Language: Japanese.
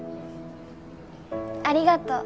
ありがとう。